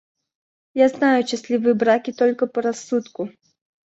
Я знаю счастливые браки только по рассудку.